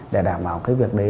để đảm bảo cái việc đấy